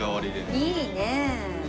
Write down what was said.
いいねえ。